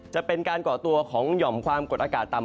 จะเป็นการก่อตัวของหย่อมความกดอากาศต่ำ